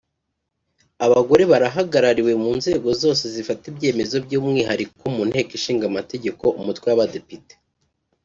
Abagore barahagarariwe mu nzego zose zifata ibyemezo by’umwihariko mu Nteko Ishinga Amategeko umutwe w’abadepite